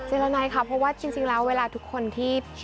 รณัยค่ะเพราะว่าจริงแล้วเวลาทุกคนที่